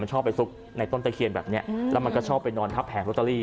ชอบไปซุกในต้นตะเคียนแบบนี้แล้วมันก็ชอบไปนอนทับแผงลอตเตอรี่